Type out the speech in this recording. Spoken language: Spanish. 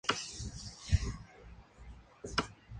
Me sembró, y ahora ha llegado la temporada de cosecha…"